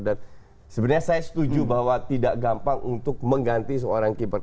dan sebenarnya saya setuju bahwa tidak gampang untuk mengganti seorang keeper